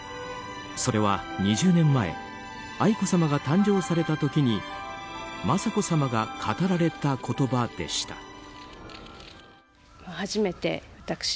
それは２０年前愛子さまが誕生された時に雅子さまが語られた言葉でした。